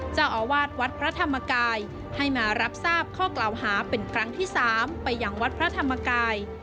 เจ้าอาวาสวัดพระธรรมกายให้มารับทราบข้อกล่าวหาเป็นครั้งที่๓ไปยังวัดพระธรรมกาย